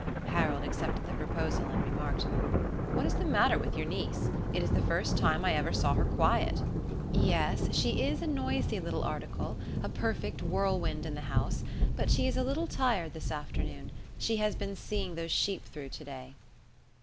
Harold accepted the proposal, and remarked: "What is the matter with your niece? It is the first time I ever saw her quiet." "Yes; she is a noisy little article a perfect whirlwind in the house but she is a little tired this afternoon; she has been seeing those sheep through today."